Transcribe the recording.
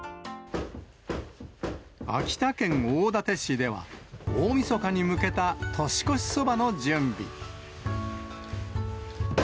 秋田県大館市では、大みそかに向けた年越しそばの準備。